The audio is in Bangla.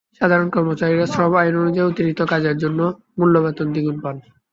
সাধারণ কর্মচারীরা শ্রম আইন অনুযায়ী অতিরিক্ত কাজের জন্য মূল বেতনের দ্বিগুণ পান।